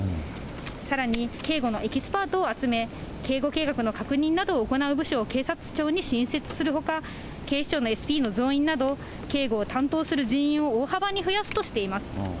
さらに警護のエキスパートを集め、警護計画の確認などを行う部署を警察庁に新設するほか、警視庁のＳＰの増員など、警護を担当する人員を大幅に増やすとしています。